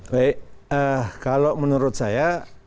baik kalau menurut saya